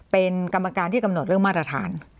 เป็นกรรมการที่กำหนดเรื่องมาตรฐาน